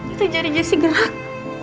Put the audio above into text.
itu jari jessy gerak